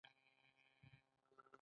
سود خوړل جنګ له خدای سره دی.